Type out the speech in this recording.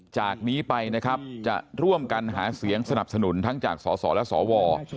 จากนี้ไปนะครับจะร่วมกันหาเสียงสนับสนุนทั้งจากสสและสว